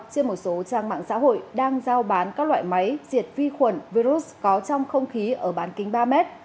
trên một số trang mạng xã hội đang giao bán các loại máy diệt vi khuẩn virus có trong không khí ở bán kính ba m